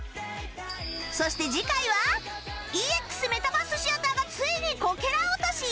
そして次回は ＥＸ メタバースシアターがついにこけら落とし